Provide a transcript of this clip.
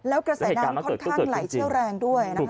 แล้วกระแสน้ำค่อนข้างไหลเชี่ยวแรงด้วยนะคะ